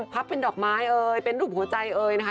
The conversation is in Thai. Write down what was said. เป็นดอกไม้เอ่ยเป็นรูปหัวใจเอ่ยนะคะ